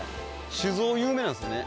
酒造有名なんですね。